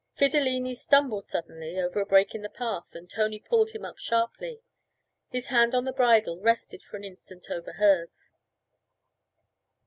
Fidilini stumbled suddenly over a break in the path and Tony pulled him up sharply. His hand on the bridle rested for an instant over hers.